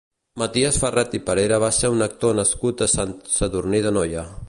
Matias Ferret i Parera va ser un actor nascut a Sant Sadurní d'Anoia.